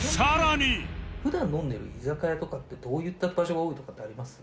普段飲んでる居酒屋とかってどういった場所が多いとかってあります？